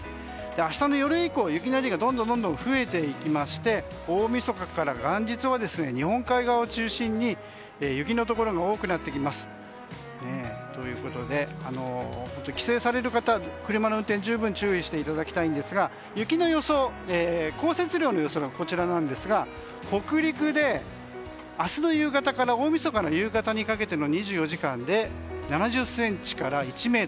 明日の夜以降、雪のエリアがどんどん増えていきまして大みそかから元日は日本海側を中心に雪のところも多くなってきます。ということで、帰省される方車の運転十分、注意していただきたいんですが降雪量の予想がこちらなんですが北陸で、明日の夕方から大みそかの夕方にかけての２４時間で７０ｃｍから１ｍ。